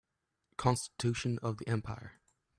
Constitution of the empire